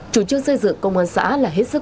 chủ trương xây dựng công an xã là hết sức